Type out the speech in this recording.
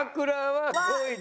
はい。